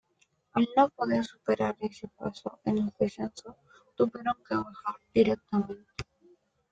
Al no poder superar ese paso en el descenso, tuvieron que bajar directamente.